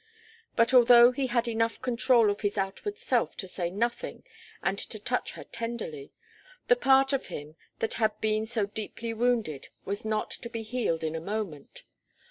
But although he had enough control of his outward self to say nothing and to touch her tenderly, the part of him that had been so deeply wounded was not to be healed in a moment.